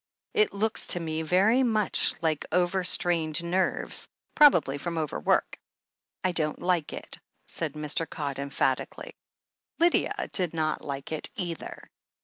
It looks to me very much THE HEEL OF ACHILLES 299 like over strained nerves — ^probably from overwork. I don't like it/' said Mr. Codd emphatically. Lydia did not like it either.